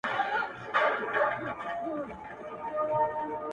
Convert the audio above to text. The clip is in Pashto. همدې ژبي يم تر داره رسولى؛